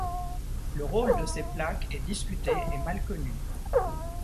Le rôle de ces plaques est discuté et mal connu.